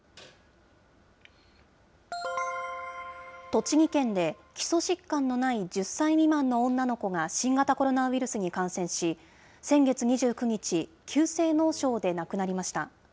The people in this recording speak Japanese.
栃木県で、基礎疾患のない１０歳未満の女の子が新型コロナウイルスに感染し、先月２９日、急性脳症で亡くなりました。